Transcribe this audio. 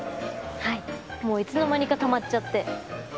はいもういつの間にかたまっちゃって。